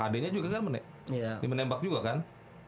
ade nya juga kan menembak juga kan